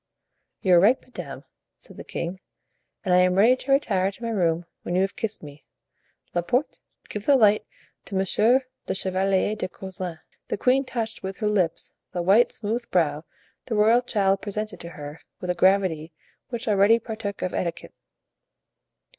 "You are right, madame," said the king, "and I am ready to retire to my room when you have kissed me. Laporte, give the light to Monsieur the Chevalier de Coislin." The queen touched with her lips the white, smooth brow the royal child presented to her with a gravity which already partook of etiquette.